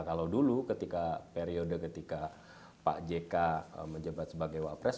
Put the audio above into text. kalau dulu ketika periode ketika pak jk menjebat sebagai wak pres